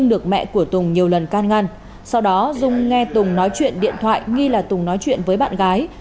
dung nhiều lần can ngăn sau đó dung nghe tùng nói chuyện điện thoại nghi là tùng nói chuyện với bạn gái